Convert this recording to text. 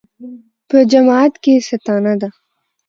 په جماعت کې یې ستانه ده.